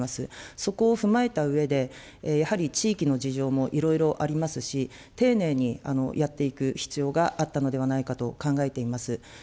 そこを踏まえたうえで、やはり地域の事情もいろいろありますし、丁寧にやっていく必要があったのではないかと考えています。